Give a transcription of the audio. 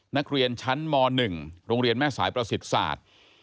นักเรียนชั้นม๑โรงเรียนแม่สายประสิทธิ์ศาสตร์